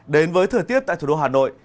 đến với thờ tuyết tại thủ đô hà nội